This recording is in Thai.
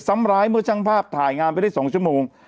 ซ้ำร้ายเมื่อช่างภาพถ่ายงานไปได้๒ชั่วโมง